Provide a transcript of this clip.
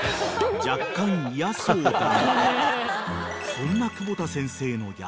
［そんな］